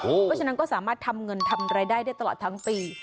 เพราะฉะนั้นก็สามารถทำเงินทำรายได้ได้ตลอดทั้งปี